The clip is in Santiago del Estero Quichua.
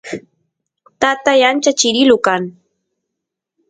tatay ancha chirilu kan